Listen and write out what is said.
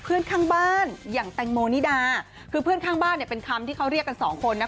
เพื่อนข้างบ้านอย่างแตงโมนิดาคือเพื่อนข้างบ้านเนี่ยเป็นคำที่เขาเรียกกันสองคนนะคะ